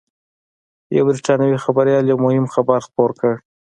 یوه بریټانوي خبریال یو مهم خبر خپور کړ